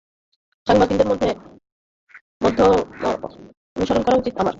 সাংবাদিকদের মতো মধ্যমপন্থা অনুসরণ করা উচিত আমার।